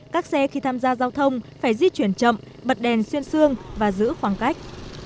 các xe khi tham gia giao thông phải di chuyển chậm bật đèn xuyên xương và giữ khoảng cách